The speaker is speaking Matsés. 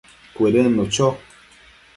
Cuëdënnu cho